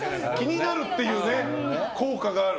気になるっていう効果がある。